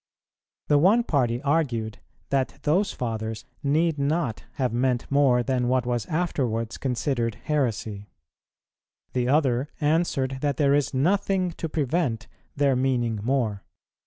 The one party argued that those Fathers need not have meant more than what was afterwards considered heresy; the other answered that there is nothing to prevent their meaning more.